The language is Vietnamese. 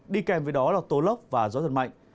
đi kèm với đó là tố lốc và gió giật mạnh